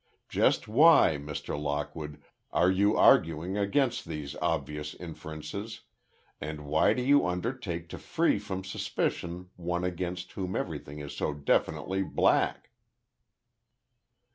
Just why, Mr. Lockwood, are you arguing against these obvious inferences, and why do you undertake to free from suspicion one against whom everything is so definitely black?"